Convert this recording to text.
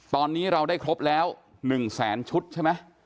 ตอนนี้เราได้ครบแล้ว๑แสนชุดใช่ไหม